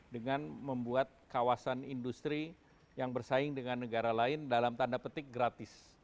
dengan membuat kawasan industri yang bersaing dengan negara lain dalam tanda petik gratis